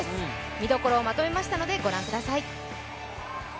見どころをまとめましたのでご覧ください。